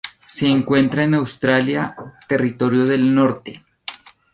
Se encuentra en Australia: Territorio del Norte.